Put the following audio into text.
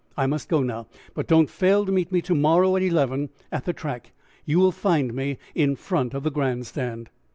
I must go now, but don't fail to meet me to morrow at eleven, at the track. You will find me in front of the Grand Stand."